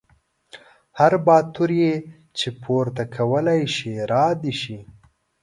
هر باتور یې چې پورته کولی شي را دې شي.